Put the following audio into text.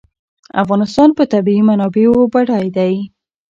افغانستان په طبیعي منابعو بډای دی.